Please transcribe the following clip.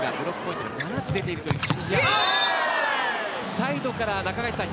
サイドから中垣内さん